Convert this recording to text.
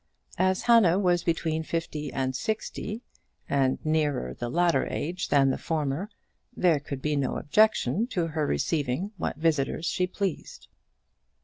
As Hannah was between fifty and sixty, and nearer the latter age than the former, there could be no objection to her receiving what visitors she pleased.